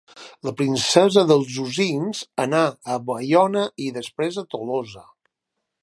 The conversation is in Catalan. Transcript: La princesa dels Ursins anà a Baiona, i després a Tolosa.